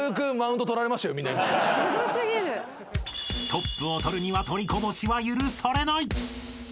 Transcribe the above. ［トップを取るには取りこぼしは許されない］